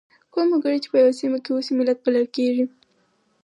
کوم وګړي چې په یوه سیمه کې اوسي ملت بلل کیږي.